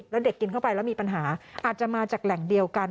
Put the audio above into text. แล้วเด็กกินเข้าไปแล้วมีปัญหาอาจจะมาจากแหล่งเดียวกัน